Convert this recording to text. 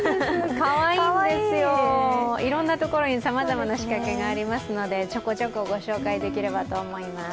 かわいいんですよ、いろいろなところにさまざまな仕掛けがありますのでちょこちょこご紹介できればと思います。